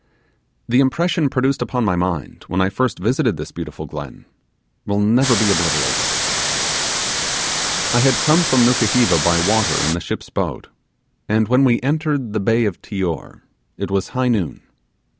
The impression produced upon the mind, when I first visited this beautiful glen, will never be obliterated. I had come from Nukuheva by water in the ship's boat, and when we entered the bay of Tior it was high noon.